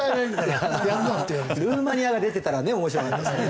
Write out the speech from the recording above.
ルーマニアが出てたらね面白かったですね。